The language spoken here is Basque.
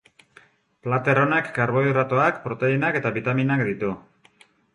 Plater honek karbohidratoak, proteinak eta bitaminak ditu.